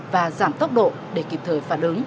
và giảm tốc độ để kịp thời phản ứng